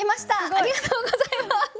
ありがとうございます！